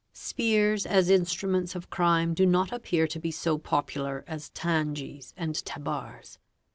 Spears as instruments of crime do not appear to be so popular as tangis and tabars.